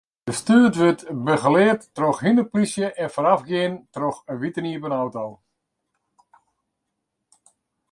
De stoet wurdt begelaat troch hynsteplysje en foarôfgien troch in wite iepen auto.